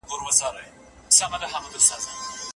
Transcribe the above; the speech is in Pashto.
موږ بايد د پلار نصيحت په غور واورو.